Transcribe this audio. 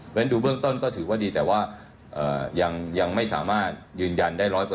เพราะฉะนั้นดูเบื้องต้นก็ถือว่าดีแต่ว่ายังไม่สามารถยืนยันได้๑๐๐